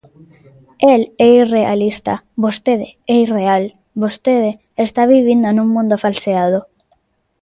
El é realista, vostede é irreal, vostede está vivindo nun mundo falseado.